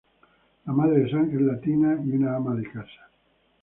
La madre de Sam es latina y una ama de casa.